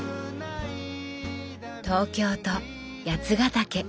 東京と八ヶ岳。